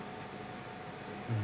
うん。